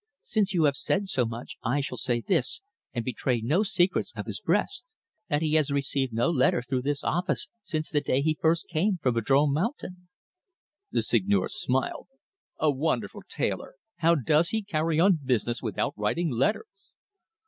Since you have said so much, I shall say this, and betray no 'secrets of his breast' that he has received no letter through this office since the day he first came from Vadrome Mountain." The Seigneur smiled. "A wonderful tailor! How does he carry on business without writing letters?"